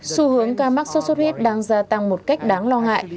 số hướng ca mắc sốt xuất huyết đang gia tăng một cách đáng lo hại